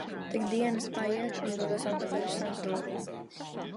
Tak dienas paiet un dodos atpakaļ uz sanatoriju.